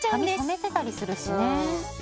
髪染めてたりするしね。